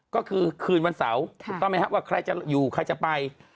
ก็คือคืนวันเสาร์ถูกต้องไหมครับว่าใครจะอยู่ใครจะไป